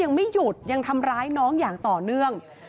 ยังไม่หยุดยังทำร้ายน้องอย่างต่อเนื่อง